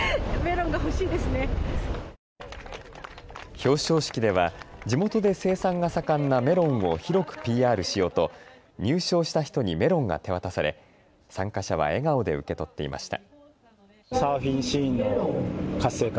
表彰式では地元で生産が盛んなメロンを広くＰＲしようと入賞した人にメロンが手渡され参加者は笑顔で受け取っていました。